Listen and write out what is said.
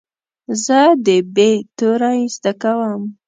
زه د "ب" توری زده کوم.